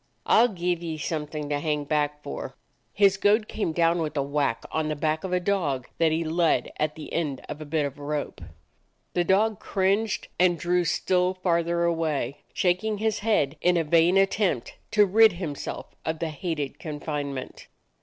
I 'll give ye something to hang back for!" His goad came down with a whack on the back of a dog that he led at the end of a bit of rope. The dog cringed and drew still farther away, shaking his head in a vain attempt to rid himself of the hated confinement.